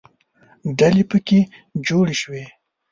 ډلې پکې جوړې شوې.